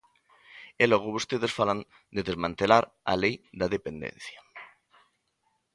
E logo vostedes falan de desmantelar a Lei da dependencia.